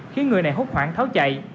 khiến người này hút khoảng tháo chạy